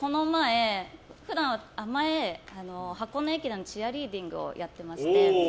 前、箱根駅伝のチアリーディングをやっていまして。